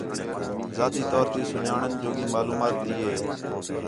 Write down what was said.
ذاتی طور تی سُن٘ڄاݨن جوڳی معلومات تی ہِے